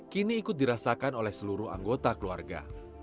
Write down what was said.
kini ikut dirasakan oleh seluruh anggota keluarga